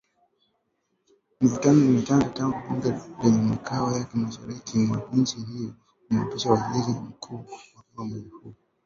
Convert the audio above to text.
Mivutano imetanda tangu bunge lenye makao yake mashariki mwa nchi hiyo kumwapisha Waziri Mkuu mapema mwezi huu.